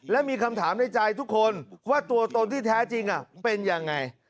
และมีคำถามในใจทุกคนว่าตัวตนที่แท้จริงเป็นยังไง